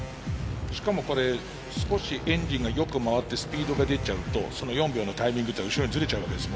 しかもこれ少しエンジンがよく回ってスピードが出ちゃうとその４秒のタイミングっていうの後ろにずれちゃうわけですもんね。